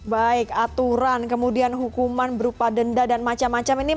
baik aturan kemudian hukuman berupa denda dan macam macam ini